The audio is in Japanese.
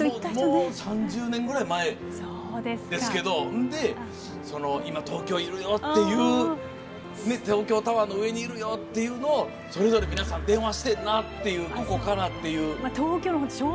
もう３０年ぐらい前ですけど「今、東京いるよ」っていう「東京タワーの上にいるよ」っていうのを電話してるなっていうここからっていう。